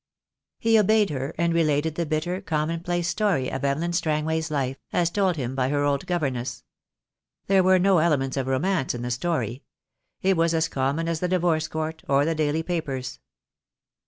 He obeyed her, and related the bitter, common place story of Evelyn Strangway's life, as told him by her old governess. There were no elements of romance in the story. It was as common as the Divorce Court or the daily papers.